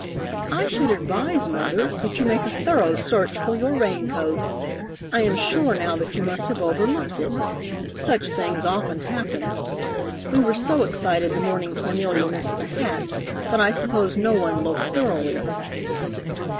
"I should advise, Mother, that you make a thorough search for your rain coat. I am sure now that you must have overlooked it. Such things often happen. We were so excited the morning Cornelia missed the hat that I suppose no one looked thoroughly."